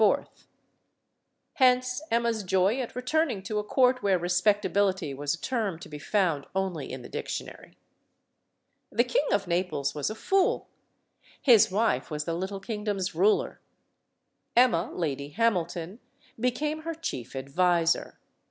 Hence Emma's joy at returning to a court where respectability was a term to be found only in the dictionary. The King of Naples was a fool. His wife was the little kingdom's ruler. Emma, Lady Hamilton, became her chief adviser.